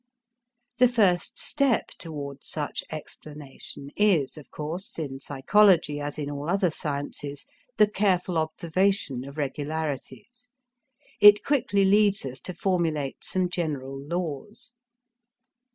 The first step towards such explanation is, of course, in psychology, as in all other sciences, the careful observation of regularities. It quickly leads us to formulate some general laws.